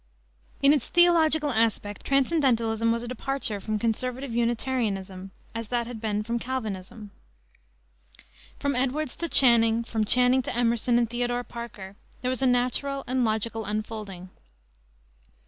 In its theological aspect transcendentalism was a departure from conservative Unitarianism, as that had been from Calvinism. From Edwards to Channing, from Channing to Emerson and Theodore Parker, there was a natural and logical unfolding.